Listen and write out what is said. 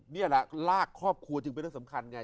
นี่แหละลากครอบครัวจึงเป็นเรื่องสำคัญไง